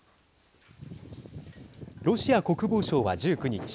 ロシア国防省は１９日